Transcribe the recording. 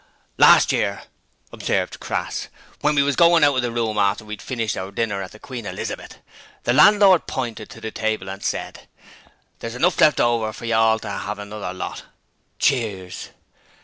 'Last year,' observed Crass, 'when we was goin' out of the room after we'd finished our dinner at the Queen Elizabeth, the landlord pointed to the table and said, "There's enough left over for you all to 'ave another lot."' (Cheers.)